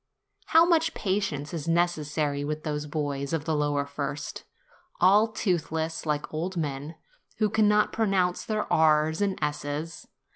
How much patience is necessary with those boys of the lower first, all toothless, like old men, who can not pronounce their r's and s's!